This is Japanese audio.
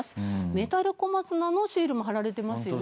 メタル小松菜のシールも貼られてますよね。